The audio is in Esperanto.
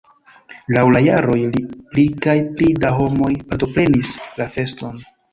Laŭ la jaroj pli kaj pli da homoj partoprenis la feston.